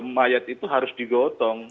mayat itu harus digotong